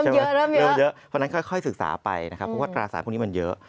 เริ่มเยอะเพราะฉะนั้นค่อยศึกษาไปนะครับเพราะว่าตราสารพวกนี้มันเยอะ